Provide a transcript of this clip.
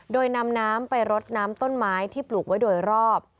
โดยนำน้ำไปรดน้ำต้นไม้ที่ปลูกไว้โดยรอบ